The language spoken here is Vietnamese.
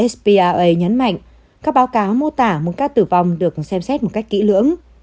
spra nhấn mạnh các báo cáo mô tả một ca tử vong được xem xét một cách kỹ lưỡng